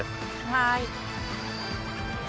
はい。